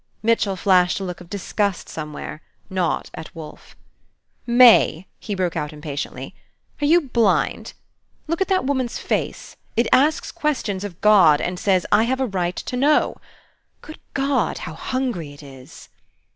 Mitchell flashed a look of disgust somewhere, not at Wolfe. "May," he broke out impatiently, "are you blind? Look at that woman's face! It asks questions of God, and says, 'I have a right to know,' Good God, how hungry it is!"